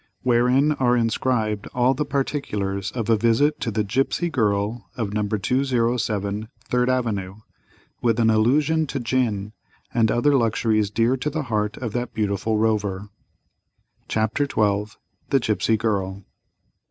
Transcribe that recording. Wherein are inscribed all the particulars of a visit to the "Gipsy Girl," of No. 207, Third Avenue, with an allusion to Gin, and other luxuries dear to the heart of that beautiful Rover. CHAPTER XII. THE GIPSY GIRL.